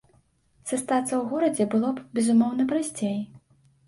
Застацца ў горадзе было б, безумоўна, прасцей.